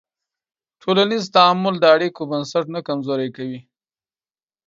ټولنیز تعامل د اړیکو بنسټ نه کمزوری کوي.